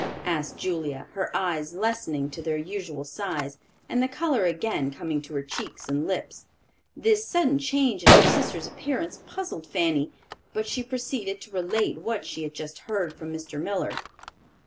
asked Julia, her eyes lessening to their usual size, and the color again coming to her cheeks and lips. This sudden change in her sister's appearance puzzled Fanny; but she proceeded to relate what she had just heard from Mr. Miller.